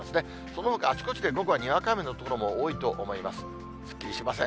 そのほかあちこちで午後はにわか雨の所も多いと思います。